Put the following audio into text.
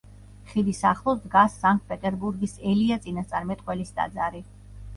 ხიდის ახლოს დგას სანქტ-პეტერბურგის ელია წინასწარმეტყველის ტაძარი.